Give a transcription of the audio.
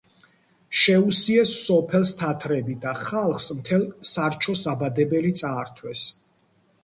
შეუსიეს სოფელს თათრები და ხალხს მთელ სარჩო-საბადებელი წაართვეს.